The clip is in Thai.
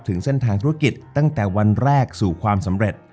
ถึงเส้นทางธุรกิจตั้งแต่วันแรกสู่ความสำเร็จ